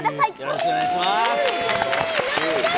よろしくお願いします。